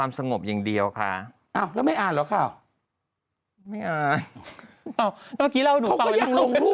ก้มหน้าเองฝ่ะอ่าแซนนะฮะฮะอ่ะเลามันเลยฮะเร็วเป็นยังไง